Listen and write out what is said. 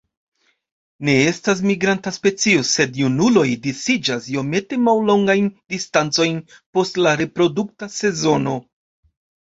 Ne estas migranta specio, sed junuloj disiĝas iomete mallongajn distancojn post la reprodukta sezono.